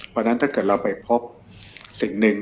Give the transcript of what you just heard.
เพราะฉะนั้นถ้าเกิดเราไปพบสิ่งหนึ่ง